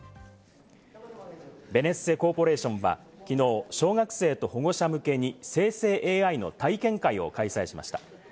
ベネッセコーポレーションは昨日、小学生と保護者向けに生成ＡＩの体験会を開催しました。